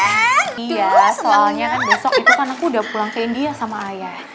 iya soalnya kan besok itu kan aku udah pulang ke india sama ayah